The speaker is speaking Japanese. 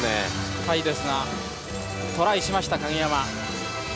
失敗ですがトライしました鍵山。